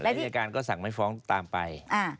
และอายการก็สั่งไม่ฟ้องตามไป